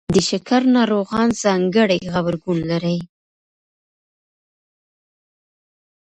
د شکر ناروغان ځانګړی غبرګون لري.